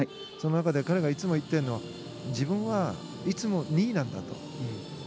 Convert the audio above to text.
その中で彼がいつも言っているのは自分はいつも２位なんだと。